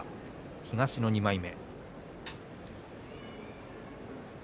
東の２枚目。